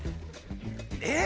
えっ！？